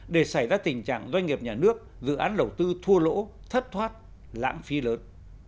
để xảy ra tình trạng doanh nghiệp nhà nước dự án đầu tư thua lỗ thất thoát lãng phí lớn